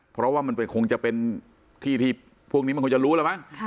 เพราะว่ามันคงจะเป็นที่ที่พวกนี้มันคงจะรู้แล้วมั้ง